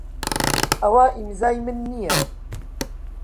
ئەوە ئیمزای من نییە.